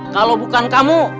kalau bukan kamu